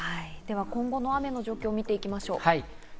今後の雨の状況をみていきましょう。